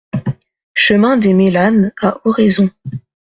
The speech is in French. Chemin des Mélanes à Oraison